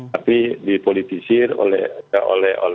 tapi dipolitisir oleh